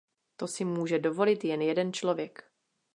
To si může dovolit jen jeden člověk.